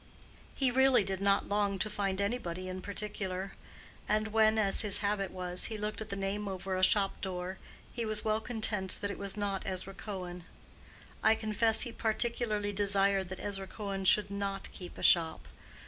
He really did not long to find anybody in particular; and when, as his habit was, he looked at the name over a shop door, he was well content that it was not Ezra Cohen. I confess, he particularly desired that Ezra Cohen should not keep a shop.